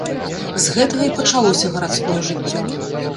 З гэтага і пачалося гарадское жыццё.